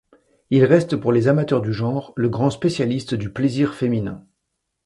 Il reste pour les amateurs du genre le grand spécialiste du plaisir féminin.